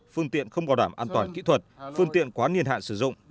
phương tiện không bảo đảm an toàn kỹ thuật phương tiện quá niên hạn sử dụng